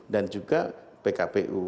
dan juga pkpu